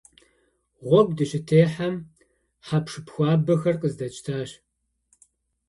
Гъуэгу дыщытехьэм, хьэпшып хуабэхэр къыздэтщтащ.